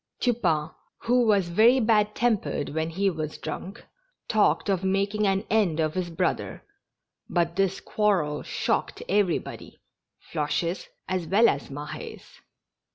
Tupain, who was very bad tempered when he was drunk, talked of making an end of his brother, but this quarrel shocked everybody — Floches as well as Mah^s.